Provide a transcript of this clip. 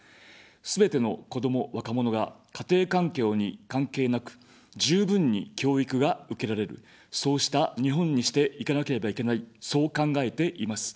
すべての子ども、若者が家庭環境に関係なく、十分に教育が受けられる、そうした日本にしていかなければいけない、そう考えています。